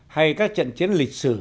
hay các trận chiến lịch sử